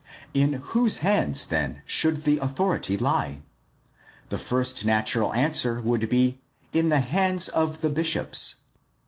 In whose hands then should the authority lie? The first natural answer would be: In the hands of the bishops.